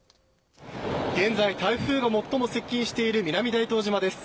現在、台風が最も設置している南大東島です。